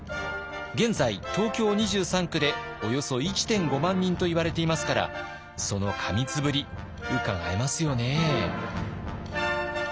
現在東京２３区でおよそ１．５万人といわれていますからその過密ぶりうかがえますよね。